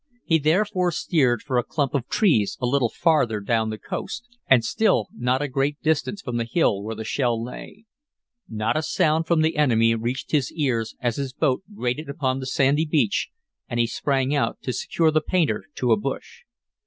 He therefore steered for a clump of trees a little further down the coast, and still not a great distance from the hill where the shell lay. Not a sound from the enemy reached his ears as his boat grated upon the sandy beach, and he sprang out to secure the painter to a bush.